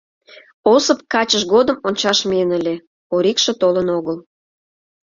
Осып качыж годым ончаш миен ыле, Орикше толын огыл.